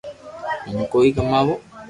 ھون ڪوئي ڪماوُ